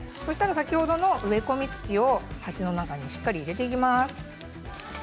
先ほどの植え込み土を鉢の中にしっかり入れていきます。